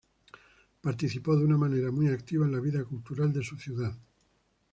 Participó de una manera muy activa en la vida cultural de su ciudad.